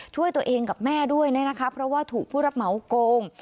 ช่วยตัวเองกับแม่ด้วยนะคะเพราะว่าถูกผู้รับเหมาโกง